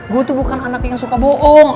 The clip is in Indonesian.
gue tuh bukan anak yang suka bohong